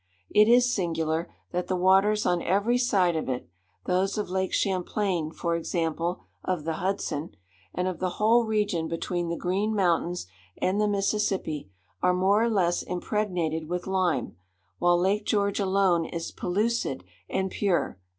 It is singular, that the waters on every side of it,—those of Lake Champlain, for example, of the Hudson, and of the whole region between the Green Mountains and the Mississippi,—are more or less impregnated with lime, while Lake George alone is pellucid and pure.